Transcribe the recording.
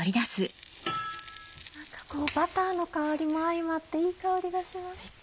バターの香りも相まっていい香りがします。